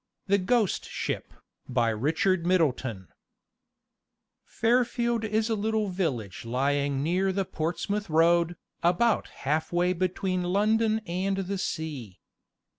The Ghost Ship BY RICHARD MIDDLETON Fairfield is a little village lying near the Portsmouth Road, about halfway between London and the sea.